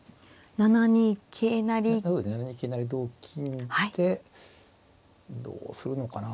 ７二桂成同金でどうするのかなあ。